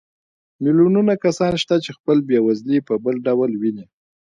میلیونونه کسان شته چې خپله بېوزلي په بل ډول ویني